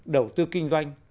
đầu tư kinh doanh